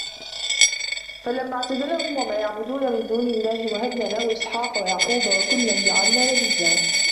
فلما اعتزلهم وما يعبدون من دون الله وهبنا له إسحاق ويعقوب وكلا جعلنا نبيا